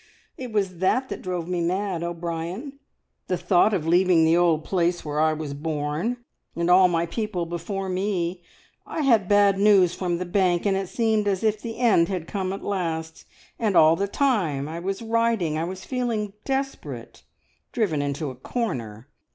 It was that that drove me mad, O'Brien the thought of leaving the old place where I was born, and all my people before me! I had bad news from the bank, and it seemed as if the end had come at last, and all the time I was riding I was feeling desperate driven into a corner.